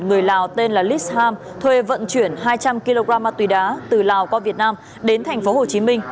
người lào tên là liz ham thuê vận chuyển hai trăm linh kg mặt tùy đá từ lào qua việt nam đến thành phố hồ chí minh